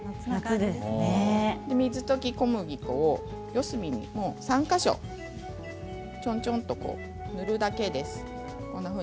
水溶き小麦粉を四隅に３か所塗ってちょんちょんと塗るだけです。